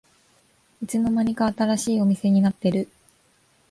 いつの間にか新しいお店になってる